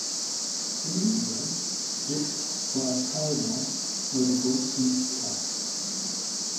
In India, 'Vishwakarma' are the goldsmith caste.